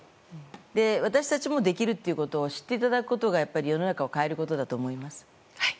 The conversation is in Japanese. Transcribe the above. で、私たちもできるということを知っていただくことがやっぱり世の中を変えることだと思います。